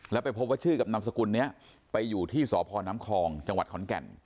แล้วไปพบว่าชื่อกับนามสกุลนี้ไปอยู่ที่สพน้ำคลองจังหวัดขอนแก่น